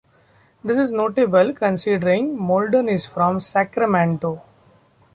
This is notable considering Molden is from Sacramento.